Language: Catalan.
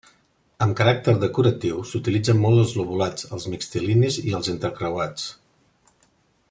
Amb caràcter decoratiu s'utilitzen molt els lobulats, els mixtilinis i els entrecreuats.